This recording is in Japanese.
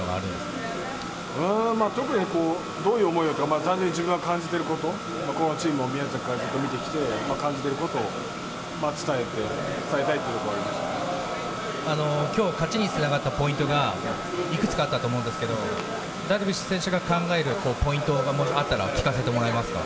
うーん、特にどういう思いをって、単純に自分が感じてること、このチームを宮崎からずっと見てきて、感じてることを伝えて、きょう勝ちにつながったポイントがいくつかあったと思うんですけど、ダルビッシュ選手が考えるポイントがあったら聞かせてもらえます